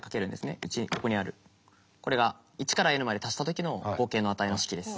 ここにあるこれが１からｎまで足した時の合計の値の式です。